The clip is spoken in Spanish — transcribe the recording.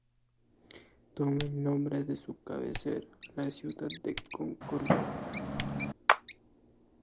Toma el nombre de su cabecera, la ciudad de Concordia.